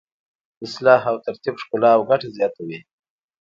اصلاح او ترتیب ښکلا او ګټه زیاتوي.